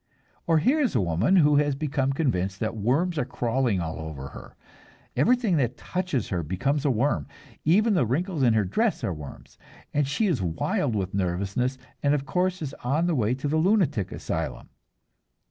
Or here is a woman who has become convinced that worms are crawling all over her. Everything that touches her becomes a worm, even the wrinkles in her dress are worms, and she is wild with nervousness, and of course is on the way to the lunatic asylum.